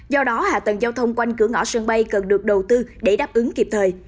do đó hạ tầng giao thông quanh cửa ngõ sân bay cần được đầu tư để đáp ứng kịp thời